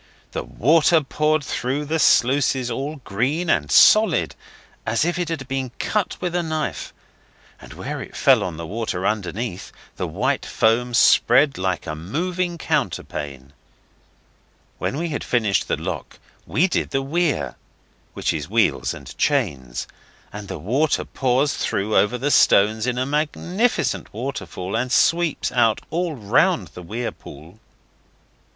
The water poured through the sluices all green and solid, as if it had been cut with a knife, and where it fell on the water underneath the white foam spread like a moving counterpane. When we had finished the lock we did the weir which is wheels and chains and the water pours through over the stones in a magnificent waterfall and sweeps out all round the weir pool.